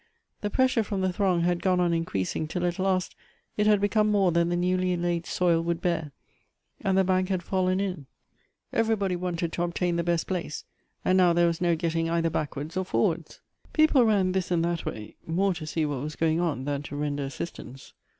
The pressure from the throng had gone on increasing till at last it had become more than the newly laid soil would bear, and the bank had fallen in. Everybody wanted to obtain the best place, and now there was no getting either backwards or forwards. People ran this and that way, more to see what was going on tlian to render assistance.